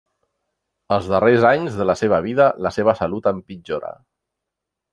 Els darrers anys de la seva vida, la seva salut empitjora.